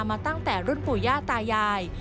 มาตั้งแต่รุ่นปู่ย่าตายาย